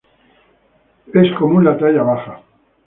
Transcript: Es común la talla baja.